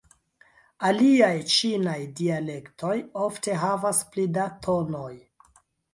Aliaj ĉinaj dialektoj ofte havas pli da tonoj.